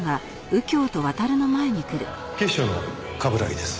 警視庁の冠城です。